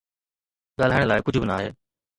ڳالهائڻ لاءِ ڪجهه به ناهي